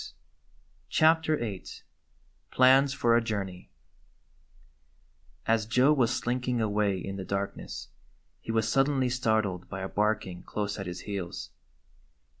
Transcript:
95 CHAPTER VIII PLANS FOR A JOURNEY A S Joe was slinking away in the darkness he was suddenly startled by a barking close at his heels.